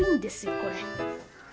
これ。